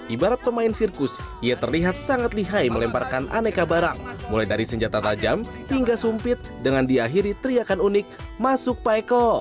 ibarat pemain sirkus ia terlihat sangat lihai melemparkan aneka barang mulai dari senjata tajam hingga sumpit dengan diakhiri teriakan unik masuk paiko